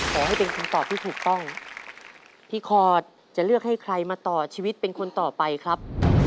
ขอให้เป็นคำตอบที่ถูกต้องพี่คอร์ดจะเลือกให้ใครมาต่อชีวิตเป็นคนต่อไปครับ